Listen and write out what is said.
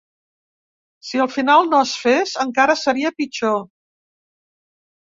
Si al final no es fes, encara seria pitjor.